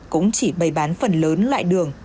cũng chỉ bày bán phần lớn loại đường